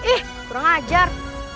ih kurang ajar